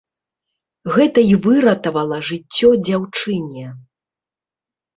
Гэта і выратавала жыццё дзяўчыне.